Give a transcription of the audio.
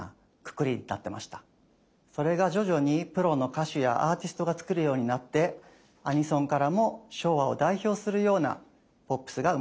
それが徐々にプロの歌手やアーティストが作るようになってアニソンからも昭和を代表するようなポップスが生まれていったのです。